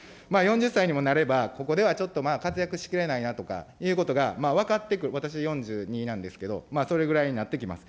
４０歳にもなれば、ここではちょっとまあ、活躍しきれないなということが分かってくる、私４２なんですけど、それぐらいになってきます。